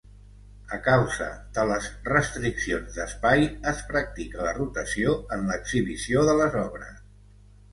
A causa de les restriccions d'espai, es practica la rotació en l'exhibició de les obres.